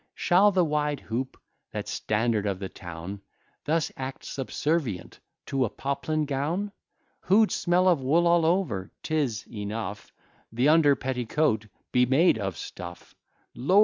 Shall the wide hoop, that standard of the town, Thus act subservient to a poplin gown? Who'd smell of wool all over? 'Tis enough The under petticoat be made of stuff. Lord!